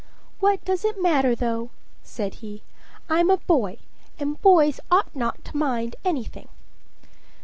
"What does it matter, though?" said he. "I'm a boy, and boys ought not to mind anything."